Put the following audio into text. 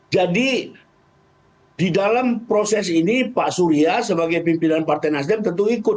jadi di dalam proses ini pak surya sebagai pimpinan partai nasdem tentu ikut